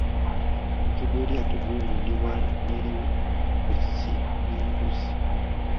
Omutwe gw’eryato guwundibwa nebikuzzi byembuzi.